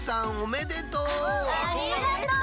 ありがとう！